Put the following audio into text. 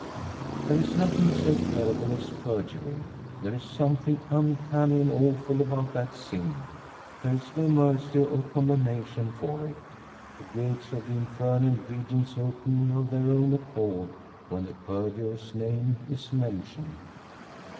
There is nothing so terrible as perjury. There is something uncanny and awful about that sin. There is no mercy or condonation for it. The gates of the infernal regions open of their own accord when the perjurer's name is mentioned.